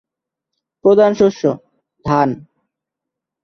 প্রধান শস্য: ধান।